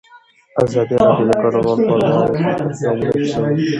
ازادي راډیو د کډوال په اړه د معارفې پروګرامونه چلولي.